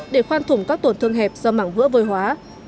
để khoan thủng các tổn thương hẹp do mảng vữa vôi hóa